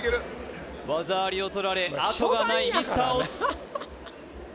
技ありを取られあとがないミスター押忍